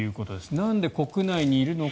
なんで国内にいるのか。